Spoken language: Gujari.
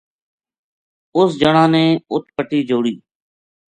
اُس جنا نے اُت پٹی جوڑی